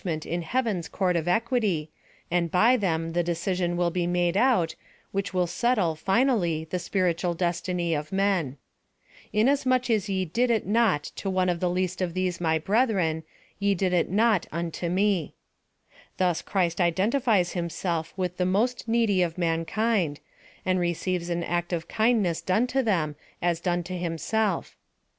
ent in heaven's court of equity, and by them the decision will be made out, which will seltle, final ly, the spiritual destiny of men. "Inasmuch as ye PLAN OF SALVATION. 219 did it not to one of the least of these my brethren, ye did it not unto me." Thus Christ identifies him self with the most needy of mankind ; and receives an act of kindness done to them, as done to himself.